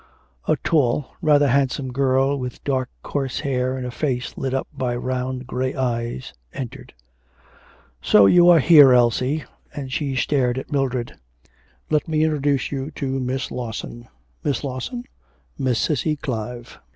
A tall, rather handsome girl, with dark coarse hair and a face lit up by round grey eyes, entered. 'So you are here, Elsie,' and she stared at Mildred. 'Let me introduce you to Miss Lawson. Miss Lawson, Miss Cissy Clive.'